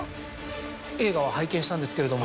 ・映画は拝見したんですけれども。